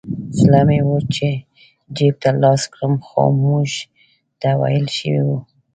زړه مې و چې جیب ته لاس کړم خو موږ ته ویل شوي وو.